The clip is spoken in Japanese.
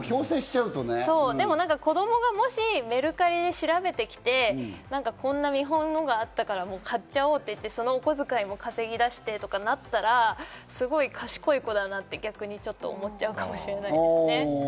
でも子供がもしメルカリで調べてこんな見本のがあったから買っちゃおうって、そのお小遣いも稼ぎ出してとなったら、すごい賢い子だなって逆に思っちゃうかもしれないですね。